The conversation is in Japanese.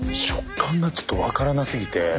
食感がちょっとわからなすぎて。